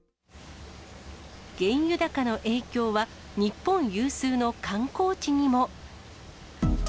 原油高の影響は、日本有数の観光地にも。